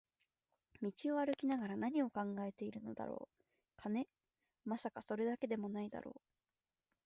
道を歩きながら何を考えているのだろう、金？まさか、それだけでも無いだろう